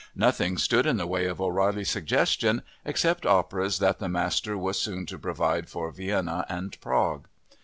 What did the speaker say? Nothing stood in the way of O'Reilly's suggestion, except operas that the master was soon to provide for Vienna and Prague.